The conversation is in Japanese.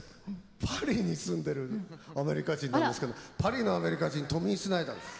パリに住んでるアメリカ人なんですけどパリのアメリカ人トミー・スナイダーです。